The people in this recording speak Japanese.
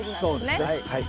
そうですねはい。